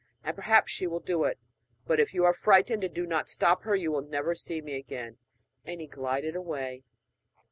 and perhaps she will do it. But if you are frightened, and do not stop her, you will never see me again.' And he glided away.